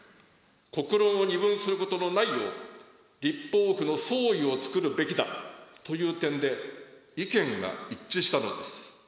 国論を二分することのないよう、立法府の総意を作るべきだという点で、意見が一致したのです。